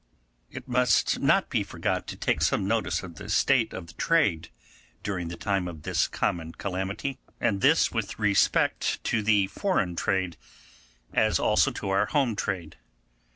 It must not be forgot here to take some notice of the state of trade during the time of this common calamity, and this with respect to foreign trade, as also to our home trade.